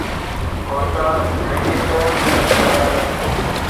Quetta Gladiators جي قيادت